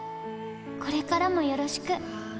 これからもよろしく。